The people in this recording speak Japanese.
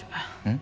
ん？